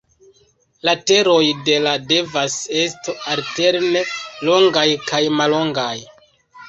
Lateroj de la devas esto alterne longaj kaj mallongaj.